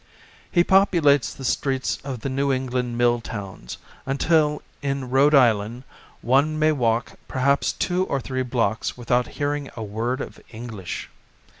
He populates the streets of the New England mill towns, until in Rhode Island one may walk perhaps two or three blocks without hearing a word of English.